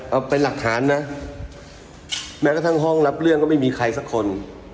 เอาเป็นหลักฐานนะแม้กระทั่งห้องรับเรื่องก็ไม่มีใครสักคน